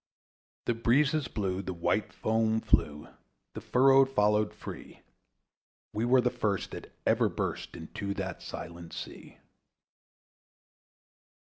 The fair breeze blew, the white foam flew, The furrow followed free: We were the first that ever burst Into that silent sea.